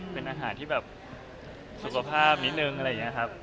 เป็นอาหารที่แบบสุขภาพนิดนึงอะไรอย่างนี้ครับ